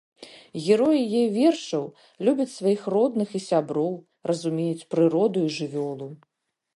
Героі яе вершаў любяць сваіх родных і сяброў, разумеюць прыроду і жывёлу.